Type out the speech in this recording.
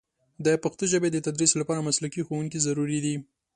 د پښتو ژبې د تدریس لپاره مسلکي ښوونکي ضروري دي.